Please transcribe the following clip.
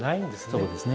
そうですね。